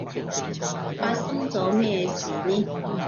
發生咗咩嘢事呢？